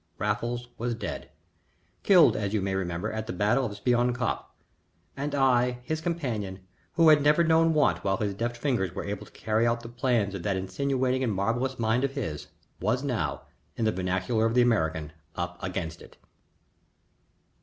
Raffles was dead killed as you may remember at the battle of Spion Kop and I, his companion, who had never known want while his deft fingers were able to carry out the plans of that insinuating and marvellous mind of his, was now, in the vernacular of the American, up against it.